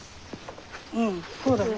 うんそうだね。